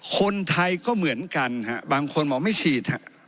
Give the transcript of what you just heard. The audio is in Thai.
คนไทยก็เหมือนกันบางคนบอกไม่ฉีด